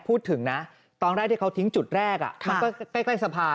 พูดถึงนะตอนแรกที่เขาทิ้งจุดแรกมันก็ใกล้สะพาน